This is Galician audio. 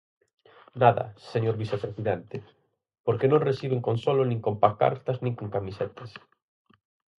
Nada, señor vicepresidente, porque non reciben consolo nin con pancartas nin con camisetas.